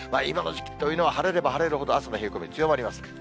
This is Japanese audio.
今の時期というのは晴れれば晴れるほど、朝の冷え込み、強まります。